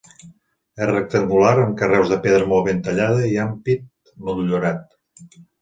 És rectangular, amb carreus de pedra molt ben tallada i ampit motllurat.